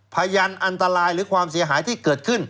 พยานอันตรายหรือความเสียหายที่เกิดขึ้น